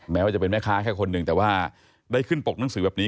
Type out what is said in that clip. แม้ว่าจะเป็นแม่ค้าแค่คนหนึ่งแต่ว่าได้ขึ้นปกหนังสือแบบนี้